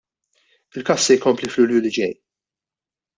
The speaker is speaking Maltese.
Il-każ se jkompli f'Lulju li ġej.